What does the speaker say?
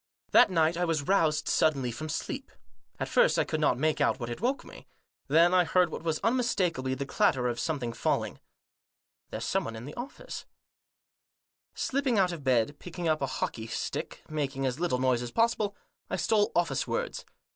That night I was roused suddenly from sleep. At first I could not make out what had woke me. Then I heard what was unmistakably the clatter of some thing falling. " There's someone in the office." Digitized by 168 THE JOSS. Slipping out of bed, picking up a hockey stick, making as little noise as possible, I stole officewards.